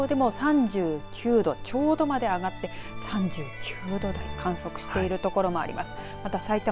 そして静岡県の川根本町でも３９度ちょうどまで上がって３９度台と観測している所もあります。